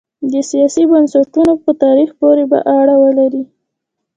د سیاسي بنسټونو په تاریخ پورې به اړه ولري.